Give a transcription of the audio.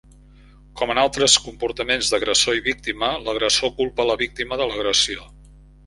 Com en altres comportaments d'agressor i víctima, l'agressor culpa a la víctima de l'agressió.